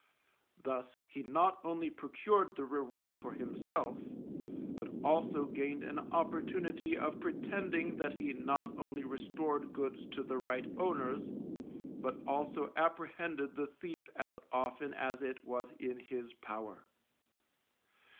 Thus he not only procured the reward for himself, but also gained an opportunity of pretending that he not only restored goods to the right owners, but also apprehended the thief as often as it was in his power.